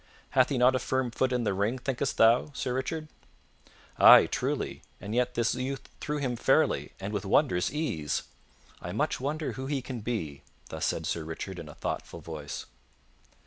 Hath he not a firm foot in the ring, thinkest thou, Sir Richard?" "Ay, truly, and yet this youth threw him fairly, and with wondrous ease. I much wonder who he can be." Thus said Sir Richard in a thoughtful voice.